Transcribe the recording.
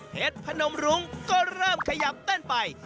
เพชรพนมรุงค์ก็เริ่มขยับเต้นไป